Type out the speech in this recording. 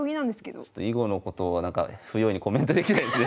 ちょっと囲碁のことは不用意にコメントできないですね